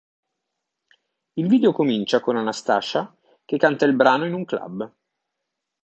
Il video comincia con Anastacia che canta il brano in un club.